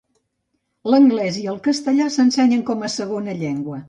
L'anglès i el castellà s'ensenyen com a segona llengua.